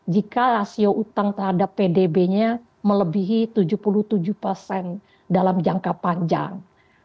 jika rasio utang terhadap pdb nya melebihi tujuh puluh tujuh persen dalam jangka panjang